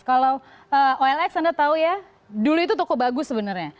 kalau olx anda tahu ya dulu itu toko bagus sebenarnya